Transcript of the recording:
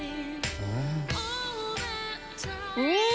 うん！